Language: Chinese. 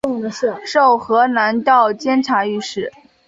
授河南道监察御史。